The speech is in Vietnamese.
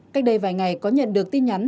cách đây vài ngày có nhận được tin nhắn